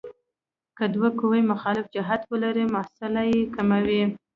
که دوه قوې مخالف جهت ولري محصله یې کموو.